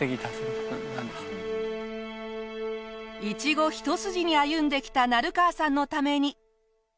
イチゴ一筋に歩んできた成川さんのために。